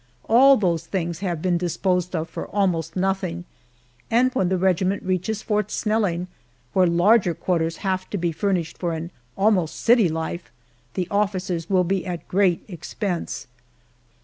All those things have been disposed of for almost nothing, and when the regiment reaches Fort Snelling, where larger quarters have to be furnished for an almost city life, the officers will be at great expense.